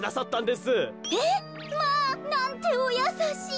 えっまあなんておやさしい。